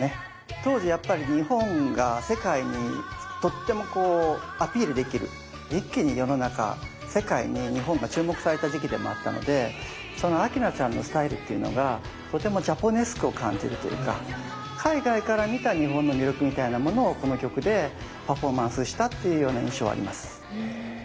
当時やっぱり日本が世界にとってもこうアピールできる一気に世の中世界に日本が注目された時期でもあったのでその明菜ちゃんのスタイルっていうのがとてもジャポネスクを感じるというか海外から見た日本の魅力みたいなものをこの曲でパフォーマンスしたっていうような印象はあります。